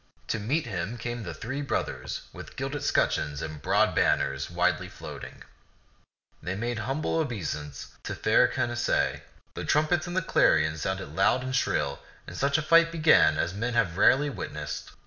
To meet him came the three brothers with gilded scutcheons and broad banners widely floating. They made humble obeisance to fair Canacee ; the trumpets and the clarions sounded loud and shrill, and such a fight began as men have rarely witnessed.